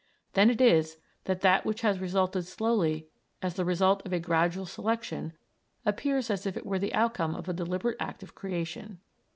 Then it is that that which has resulted slowly as the result of a gradual selection, appears as if it were the outcome of a deliberate act of creation.